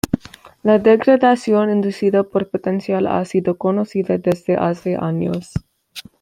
La degradación inducida por potencial ha sido conocida desde hace años.